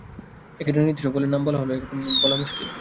এক্ষেত্রে নির্দিষ্ট ফলের নাম বলা এক রকম মুশকিল বলা যায়।